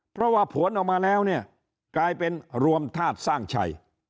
เพราะว่าผลออกมาแล้วเนี่ยกลายเป็นรวมธาตุสร้างชัย